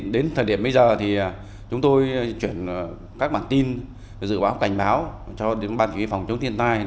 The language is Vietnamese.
đến thời điểm bây giờ thì chúng tôi chuyển các bản tin dự báo cảnh báo cho đến ban chỉ huy phòng chống thiên tai